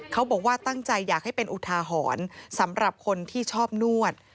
เขาบอกว่าตั้งใจอยากให้เป็นอุทาหรณ์สำหรับคนที่ชอบนวด